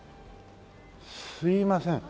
すいません。